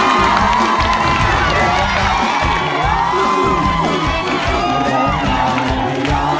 มีบทบาทมีบทบาทไปหาครูยาย